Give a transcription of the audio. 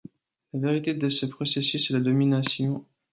La vérité de ce processus est la domination.